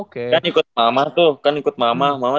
kan ikut mama tuh kan ikut mama mama